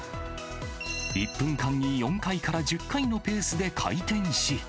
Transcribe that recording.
１分間に４回から１０回のペースで回転し。